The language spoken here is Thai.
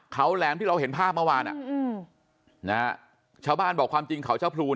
เขาแหลมที่เราเห็นภาพเมื่อวานชาวบ้านบอกความจริงเขาเช้าพลู